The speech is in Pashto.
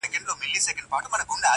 له کښې پورته د مرغیو ترانې وې٫